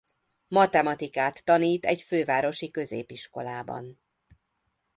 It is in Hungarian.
Matematikát tanít egy fővárosi középiskolában.